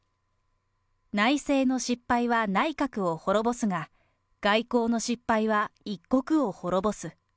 内政の失敗は内閣を滅ぼすが、外交の失敗は一国を滅ぼす。